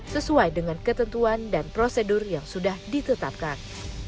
sesuai dengan ketentuan dan prosedur yang sudah ditetapkan